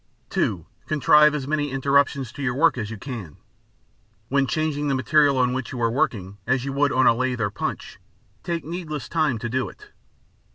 (2) Contrive as many interruptions to your work as you can: when changing the material on which you are working, as you would on a lathe or punch, take needless time to do it.